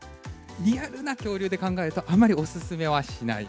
リアルな恐竜で考えると、お勧めはしない？